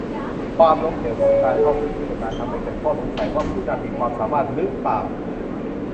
ความล้มเหลวของการเข้าซื้อกิจการ ทำให้เกิดข้อสงสัยว่าผู้นำมีความสามารถรึเปล่า